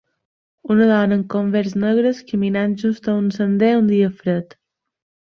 Una dona amb Converse negres caminant junt a un sender un dia fred.